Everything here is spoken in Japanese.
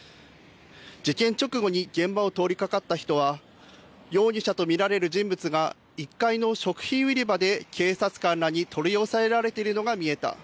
事件直後に現場を通りかかった人は容疑者と見られる人物が１階の食品売り場で警察官らに取り押さえられているのが見えた。